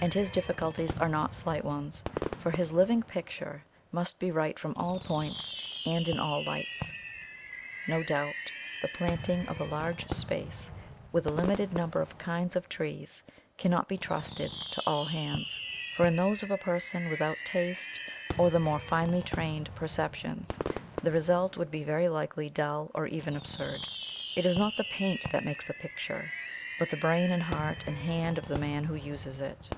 And his difficulties are not slight ones, for his living picture must be right from all points, and in all lights. [Illustration: WILD JUNIPERS.] No doubt the planting of a large space with a limited number of kinds of trees cannot be trusted to all hands, for in those of a person without taste or the more finely trained perceptions the result would be very likely dull or even absurd. It is not the paint that make the picture, but the brain and heart and hand of the man who uses it.